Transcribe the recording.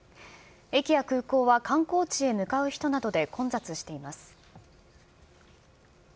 駅や空港は、観光地へ向かう人などで混雑しています。